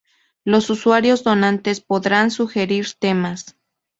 Los usuarios donantes podrán sugerir temas.